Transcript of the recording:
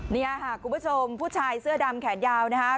นี่ค่ะคุณผู้ชมผู้ชายเสื้อดำแขนยาวนะคะ